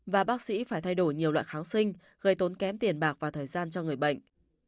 và bác sĩ phải thay đổi nhiều loại kháng sinh gây tốn kém tiền bạc và thời gian cho người bệnh